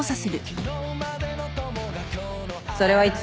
それはいつ？